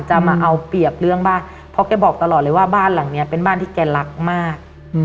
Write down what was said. มาเอาเปรียบเรื่องบ้านเพราะแกบอกตลอดเลยว่าบ้านหลังนี้เป็นบ้านที่แกรักมาก